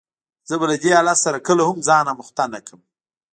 زه به له دې حالت سره کله هم ځان آموخته نه کړم.